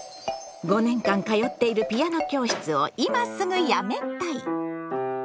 ５年間通っているピアノ教室を今すぐやめたい！